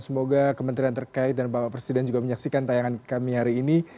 semoga kementerian terkait dan bapak presiden juga menyaksikan tayangan kami hari ini